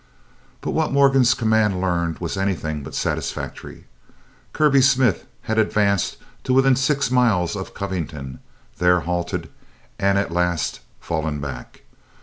But what Morgan's command learned was anything but satisfactory. Kirby Smith had advanced to within six miles of Covington, there halted, and at last fallen back.